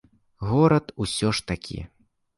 Горад усё ж такі.